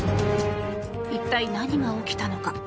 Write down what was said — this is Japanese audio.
一体、何が起きたのか。